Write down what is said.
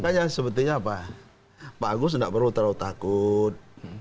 makanya sepertinya pak agus tidak perlu terlalu takut